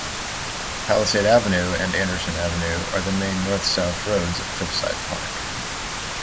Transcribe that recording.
Palisade Avenue and Anderson Avenue are the main north-south roads of Cliffside Park.